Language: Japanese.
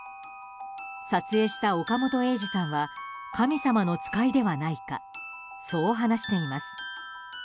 撮影した岡本栄司さんは神様の使いではないかそう話しています。